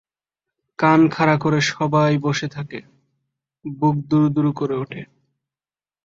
কান খাড়া করে সবাই বসে থাকে, বুক দুরুদুরু করে ওঠে।